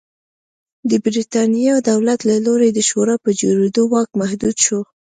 د برېټانیا دولت له لوري د شورا په جوړېدو واک محدود شو.